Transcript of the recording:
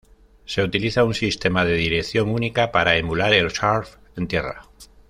Se utiliza un sistema de dirección única para emular el surf en tierra.